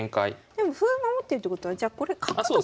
でも歩守ってるってことはじゃこれ角とか打っても。